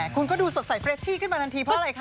คุณก็ดูสดใสเรชชี่ขึ้นมาทันทีเพราะอะไรคะ